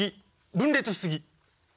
分裂し過ぎ！